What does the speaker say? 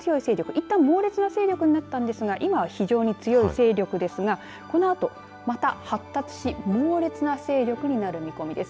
いったん猛烈な勢力になったんですが今は非常に強い勢力ですがこのあと、また発達し猛烈な勢力になる見込みです。